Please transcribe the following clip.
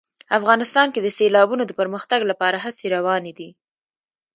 افغانستان کې د سیلابونو د پرمختګ لپاره هڅې روانې دي.